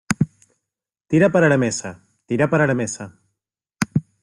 tira para la mesa, tira para la mesa.